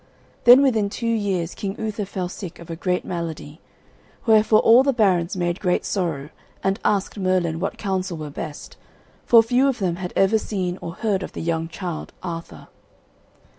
Then within two years King Uther fell sick of a great malady. Wherefore all the barons made great sorrow, and asked Merlin what counsel were best, for few of them had ever seen or heard of the young child, Arthur.